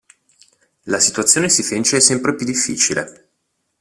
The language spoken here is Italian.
La situazione si fece sempre più difficile.